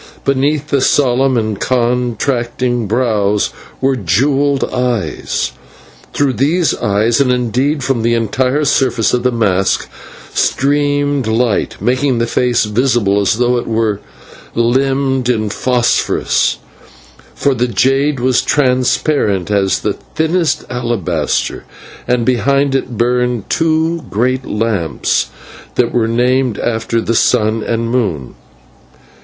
Beneath the solemn and contracted brows were jewelled eyes. Through these eyes, and, indeed, from the entire surface of the mask, streamed light, making the face visible as though it were limned in phosphorus, for the jade was transparent as the thinnest alabaster, and behind it burned two great lamps that were named after the Sun and Moon.